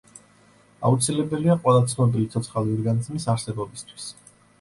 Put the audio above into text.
აუცილებელია ყველა ცნობილი ცოცხალი ორგანიზმის არსებობისთვის.